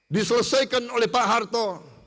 diselesaikan oleh pak harto